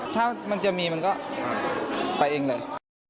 ถ้ามันจะมีมันก็ไปเองเลย